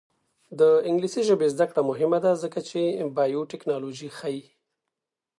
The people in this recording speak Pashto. د انګلیسي ژبې زده کړه مهمه ده ځکه چې بایوټیکنالوژي ښيي.